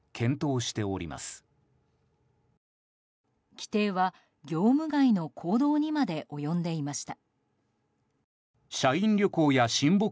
規定は業務外の行動にまで及んでいました。